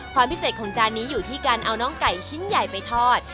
ความพิเศษของจานนี้อยู่ที่การเอาน้องไก่ชิ้นใหญ่ไปทอด